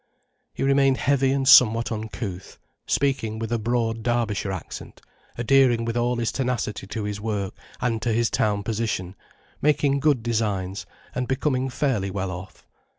He remained heavy and somewhat uncouth, speaking with broad Derbyshire accent, adhering with all his tenacity to his work and to his town position, making good designs, and becoming fairly well off.